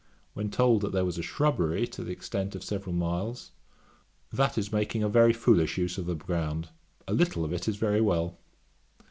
When told that there was a shrubbery to the extent of several miles: 'That is making a very foolish use of the ground; a little of it is very well.'